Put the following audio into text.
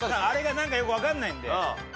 あれが何かよく分かんないんで。